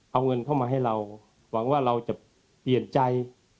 เอาเงินเข้ามาให้เราหวังว่าเราจะเปลี่ยนใจ